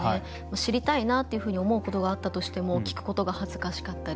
知りたいなと思うことがあったとしても聞くことが恥ずかしかったり。